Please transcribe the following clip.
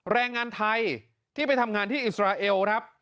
แรงงานไทยที่ไปทำงานที่อิสราเอลครับ